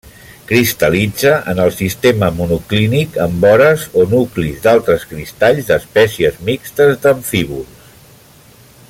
Cristal·litza en el sistema monoclínic en vores o nuclis d'altres cristalls d'espècies mixtes d'amfíbols.